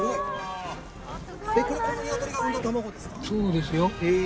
そうですよ。